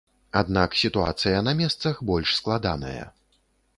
Аднак сітуацыя на месцах больш складаная.